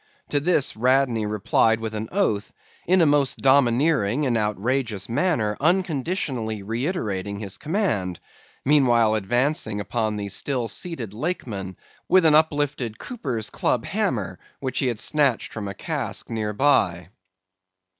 To this, Radney replied with an oath, in a most domineering and outrageous manner unconditionally reiterating his command; meanwhile advancing upon the still seated Lakeman, with an uplifted cooper's club hammer which he had snatched from a cask near by.